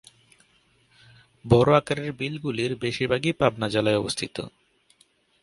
বড় আকারের বিলগুলির বেশিরভাগই পাবনা জেলায় অবস্থিত।